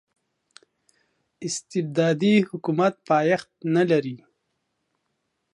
استبدادي حکومت پایښت نلري.